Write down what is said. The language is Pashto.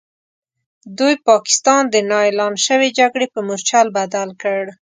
دوی پاکستان د نا اعلان شوې جګړې په مورچل بدل کړ.